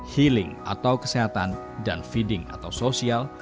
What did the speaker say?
healing atau kesehatan dan feeding atau sosial